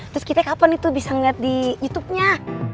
terus kita kapan itu bisa ngeliat di youtubenya